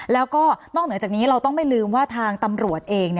แล้วก็นอกเหนือจากนี้เราต้องไม่ลืมว่าทางตำรวจเอง